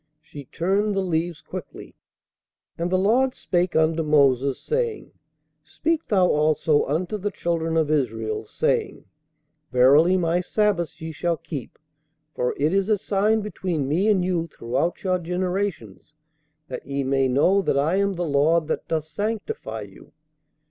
She turned the leaves quickly. "'And the Lord spake unto Moses, saying: Speak thou also unto the children of Israel, saying, Verily my sabbaths ye shall keep; for it is a sign between me and you throughout your generations; that ye may know that I am the Lord that doth sanctify you.